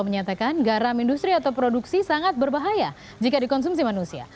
menyatakan garam industri atau produksi sangat berbahaya jika dikonsumsi manusia